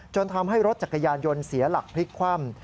ทำให้รถจักรยานยนต์เสียหลักพลิกคว่ำ